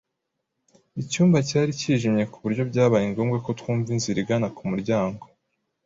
Icyumba cyari cyijimye ku buryo byabaye ngombwa ko twumva inzira igana ku muryango .